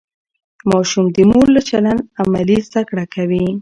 ماشوم د مور له چلند عملي زده کړه کوي.